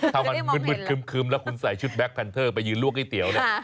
ถ้ามันมืดคึ้มแล้วคุณใส่ชุดแบ็คแพนเทอร์ไปยืนลวกก๋วยเตี๋ยวเนี่ย